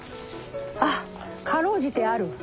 あっかろうじてある。